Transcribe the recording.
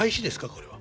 これは？